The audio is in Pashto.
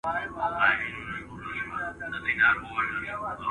که څېړونکی نوی وي یا زوړ باید خپل مسؤلیت وپېژني.